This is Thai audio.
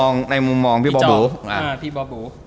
ในมุมมองพี่บอบบู